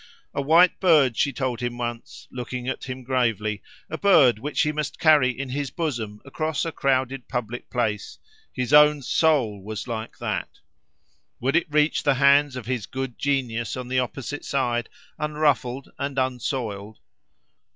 A white bird, she told him once, looking at him gravely, a bird which he must carry in his bosom across a crowded public place—his own soul was like that! Would it reach the hands of his good genius on the opposite side, unruffled and unsoiled?